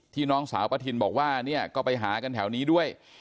น้องสาวป้าทินบอกว่าเนี่ยก็ไปหากันแถวนี้ด้วย